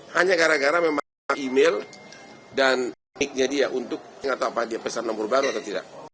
hanya gara gara memang email dan nicknya dia untuk pesan nomor baru atau tidak